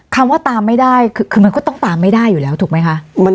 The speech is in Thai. คำว่าตามไม่ได้คือมันก็ต้องตามไม่ได้อยู่แล้วถูกไหมคะ